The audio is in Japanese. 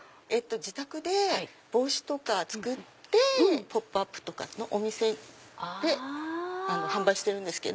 自宅で帽子とか作ってポップアップとかのお店で販売してるんですけど。